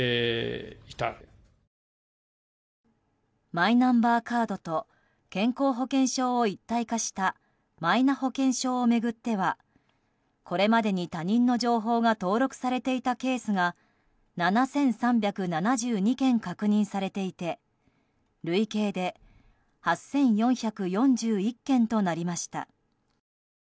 マイナンバーカードと健康保険証を一体化したマイナ保険証を巡ってはこれまでに他人の情報が登録されていたケースが７３７２件確認されていて累計で８４４１件となりました。